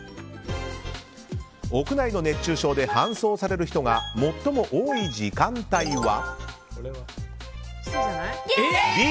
屋内の熱中症で搬送される人が最も多い時間帯は。